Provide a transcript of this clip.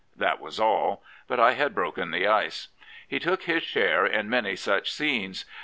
That was all; but I had broken the ice." He took his share in many such scenes.